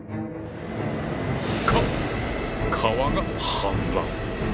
か川が氾濫！